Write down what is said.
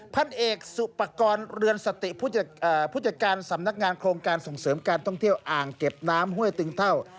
พันเอกสุปกรณ์เรือนสติผู้จัดการสำนักงานโครงการส่งเสริมการท่องเที่ยวอ่างเก็บน้ำห้วยตึงเท่า